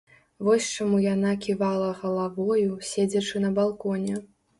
Вось чаму яна ківала галавою, седзячы на балконе.